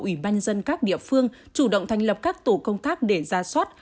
ủy ban dân các địa phương chủ động thành lập các tổ công tác để ra xót